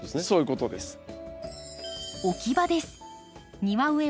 そういうことです。